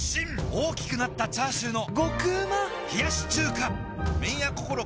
大きくなったチャーシューの麺屋こころ